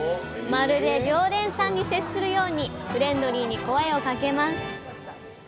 まるで常連さんに接するようにフレンドリーに声をかけます